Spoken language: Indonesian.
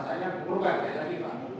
jadi kan tak rasanya berubah